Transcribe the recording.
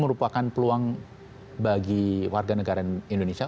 merupakan peluang bagi warga negara indonesia